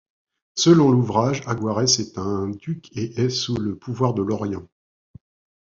Selon l'ouvrage, Aguarès est un duc et est sous le pouvoir de l'Orient.